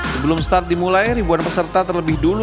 sebelum start dimulai ribuan peserta terlebih dulu